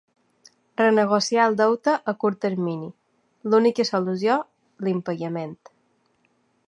Renegociar el deute a curt termini; l’única solució, l’impagament.